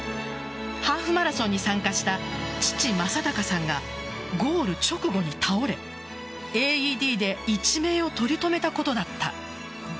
ハーフマラソンに参加した父・正隆さんがゴール直後に倒れＡＥＤで一命を取り留めたことだった。